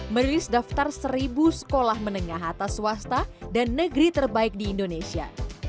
merilis daftar seribu sekolah menengah atas swasta dan negeri terbaik di indonesia